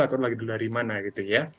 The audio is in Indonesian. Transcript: atau lagi dulu dari mana gitu ya